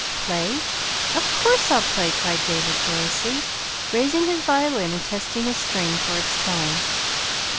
"Play? Of course I'll play," cried David joyously, raising his violin and testing a string for its tone.